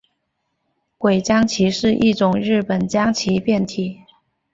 鬼将棋是一种日本将棋变体。